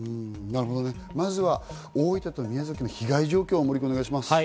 まずは大分と宮崎の被害状況をお願いします。